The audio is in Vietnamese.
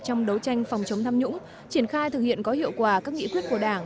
trong đấu tranh phòng chống tham nhũng triển khai thực hiện có hiệu quả các nghị quyết của đảng